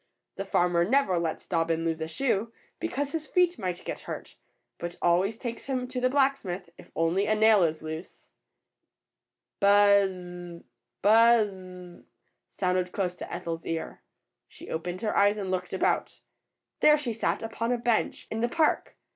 The farmer never lets Dobbin lose a shoe, because his feet might get hurt, but always takes him to the blacksmith if only a nail is loose." :ic Buzz z z zz! buzz z z z z! sounded close to Ethel's ear. She opened her eyes and looked about. There she sat upon a bench in the ETHEL'S FRIENDS 125 park.